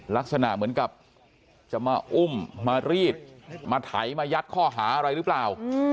ลักษณะเหมือนกับจะมาอุ้มมารีดมาไถมายัดข้อหาอะไรหรือเปล่า